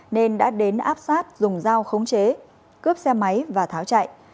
nên đã đến áp sát dùng dao khống chế cướp xe máy và tháo chạy